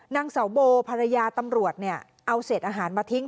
นางเสาโบภรรยาตำรวจเนี่ยเอาเศษอาหารมาทิ้ง